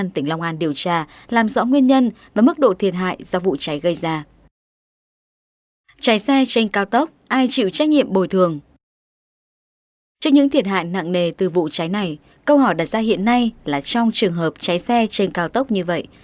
trước những thiệt hại nặng nề từ vụ cháy này câu hỏi đặt ra hiện nay là trong trường hợp cháy xe trên cao tốc như vậy